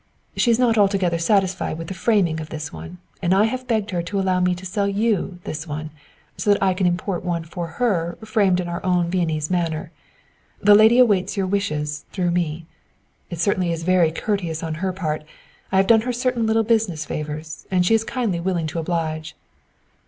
"She is not altogether satisfied with the framing of this one, and I have begged her to allow me to sell you this one, so that I can import one for her framed in our own Viennese manner. "The lady awaits your wishes, through me. It certainly is very courteous on her part. I have done her certain little business favors and she is kindly willing to oblige."